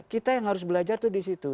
kita yang harus belajar tuh disitu